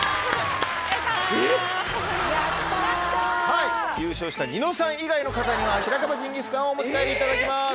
はい優勝したニノさん以外の方には。をお持ち帰りいただきます。